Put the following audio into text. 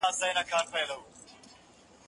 زه پرون کتابونه لولم وم!.